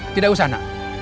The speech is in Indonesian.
tidak usah nak